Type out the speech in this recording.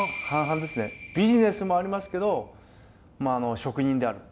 ビジネスもありますけどまあ職人である。